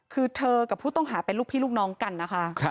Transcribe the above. คือเธอกับผู้ต้องหาเป็นลูกพี่ลูกน้องกันนะคะ